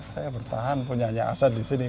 saya bertahan punya aset di sini